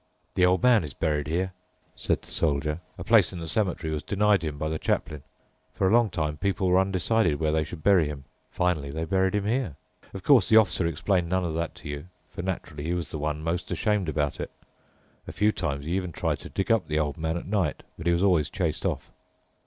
"The old man is buried here," said the soldier; "a place in the cemetery was denied him by the chaplain. For a long time people were undecided where they should bury him. Finally they buried him here. Of course, the Officer explained none of that to you, for naturally he was the one most ashamed about it. A few times he even tried to dig up the old man at night, but he was always chased off."